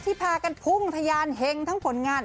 พากันพุ่งทะยานเฮงทั้งผลงาน